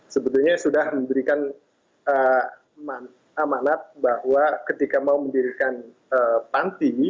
sebetulnya sudah memberikan amanat bahwa ketika mau mendirikan panti